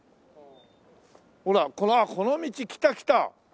ほらあっこの道来た来た！